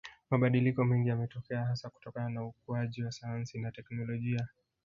Mabadiliko mengi yametokea hasa kutokana na ukuaji wa sayansi na technolojia